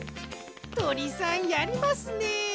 とりさんやりますね。